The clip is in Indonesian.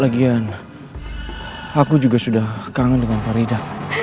aku juga sudah kangen dengan farida